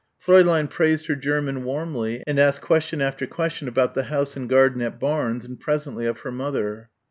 Fräulein praised her German warmly and asked question after question about the house and garden at Barnes and presently of her mother.